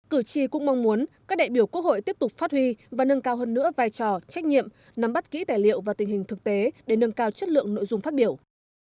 cử tri cũng mong muốn các đại biểu quốc hội tiếp tục phát huy và nâng cao hơn nữa vai trò trách nhiệm nắm bắt kỹ tài liệu và tình hình thực tế để nâng cao chất lượng nội dung phát biểu